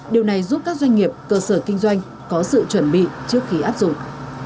điều này giúp các doanh nghiệp cơ sở kinh doanh có sự chuẩn bị trước khi áp dụng